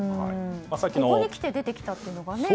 ここにきて出てきたというのが。